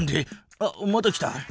あっまた来た。